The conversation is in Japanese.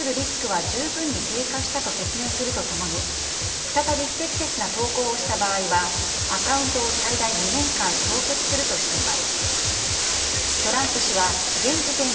解除の理由についてメタは公共の安全に対するリスクは十分に低下したと説明すると共に再び不適切な投稿をした場合はアカウントを最大２年間凍結するとしています。